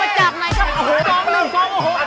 โอ้โห